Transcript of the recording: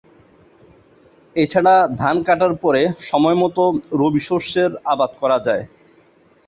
এ ছাড়া ধান কাটার পরে সময়মতো রবিশস্যের আবাদ করা যায়।